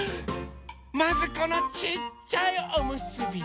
まずこのちっちゃいおむすび。